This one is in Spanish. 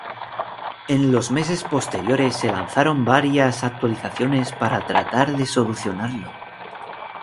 En los meses posteriores se lanzaron varias actualizaciones para tratar de solucionarlo.